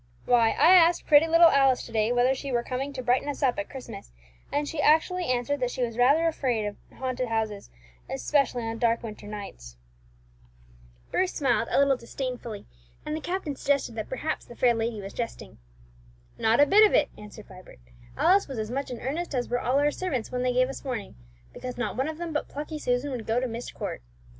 Why, I asked pretty little Alice to day whether she were coming to brighten us up at Christmas, and she actually answered that she was rather afraid of haunted houses, especially on dark winter nights." Bruce smiled a little disdainfully; and the captain suggested that perhaps the fair lady was jesting. "Not a bit of it," answered Vibert; "Alice was as much in earnest as were all our servants when they gave us warning, because not one of them but plucky Susan would go to Myst Court.